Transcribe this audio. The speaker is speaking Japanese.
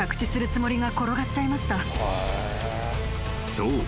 ［そう。